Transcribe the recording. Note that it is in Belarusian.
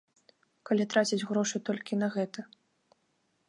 Калі траціць грошы толькі на гэта.